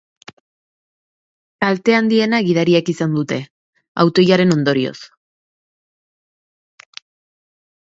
Kalte handiena gidariek izan dute, auto-ilaren ondorioz.